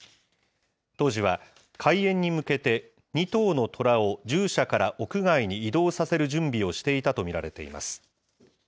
当時は、開園に向けて、２頭のトラを獣舎から屋外に移動させる準備をしていたと見られています。